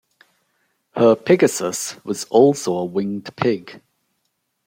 Her Pigasus was also a winged pig.